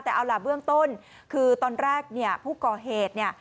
แต่เอาล่ะเบื้องต้นคือตอนแรกเนี่ยผู้ก่อเหตุเนี่ย